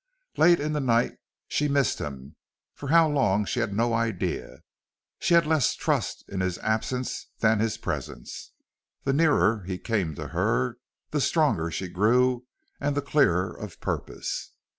Late in the night she missed him, for how long she had no idea. She had less trust in his absence than his presence. The nearer he came to her the stronger she grew and the clearer of purpose.